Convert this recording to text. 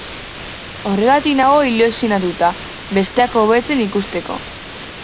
Horregatik nago ilusionatuta, besteak hobetzen ikusteko.